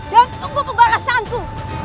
jangan tunggu pembalasan ku